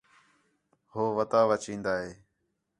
ہو وتاوں چین٘دا ہِے